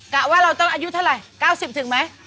กะว่าเราต้องอายุเท่าไหร่๙๐ถึงไหม